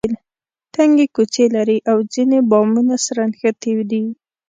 تنګې کوڅې لري او ځینې بامونه سره نښتي دي.